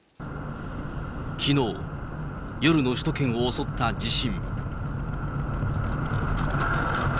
きのう、夜の首都圏を襲った地震。